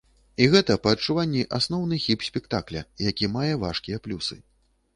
І гэта, па адчуванні, асноўны хіб спектакля, які мае важкія плюсы.